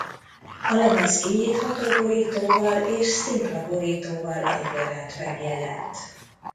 A lemez kinyitható borítóval és szimpla borítóval egyaránt megjelent.